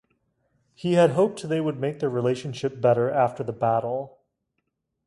He had hoped they would make their relationship better after the battle.